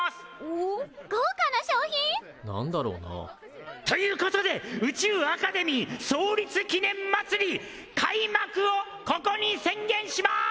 何だろうな？ということで宇宙アカデミー創立記念まつり開幕をここに宣言します！